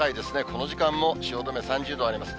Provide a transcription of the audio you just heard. この時間も汐留、３０度あります。